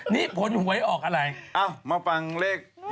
นี่ผลหวยออกอะไรมาฟังเลข